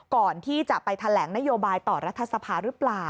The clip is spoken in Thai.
ก่อนที่จะไปแถลงนโยบายต่อรัฐสภาหรือเปล่า